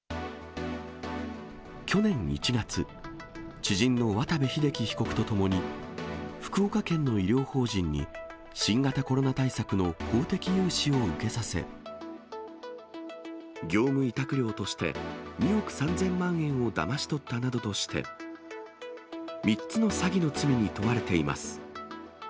去年１月、知人の渡部秀規被告と共に、福岡県の医療法人に新型コロナ対策の公的融資を受けさせ、業務委託料として２億３０００万円をだまし取ったなどとして、３つの詐欺の罪に問われています。